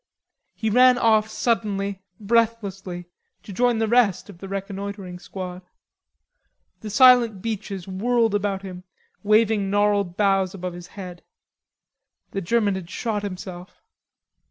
He ran off suddenly, breathlessly, to join the rest of the reconnoitering squad. The silent beeches whirled about him, waving gnarled boughs above his head. The German had shot himself.